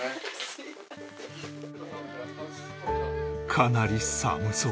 かなり寒そう